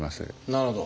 なるほど。